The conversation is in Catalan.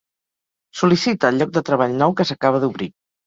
Sol·licita el lloc de treball nou que s'acaba d'obrir.